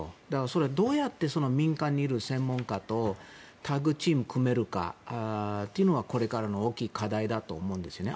それをどうやって民間の専門家とタッグチームを組めるかというのがこれからの大きい課題だと思うんですね。